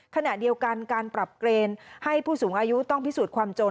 ขณะเดียวกันการปรับเกรนให้ผู้สูงอายุต้องพิสูจน์ความจน